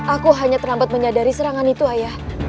aku hanya terlambat menyadari serangan itu ayah